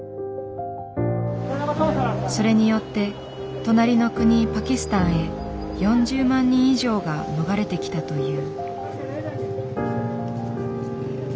それによって隣の国パキスタンへ４０万人以上が逃れてきたという。